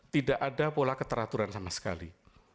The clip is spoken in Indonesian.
tidak ada pola keteraturan sama sekali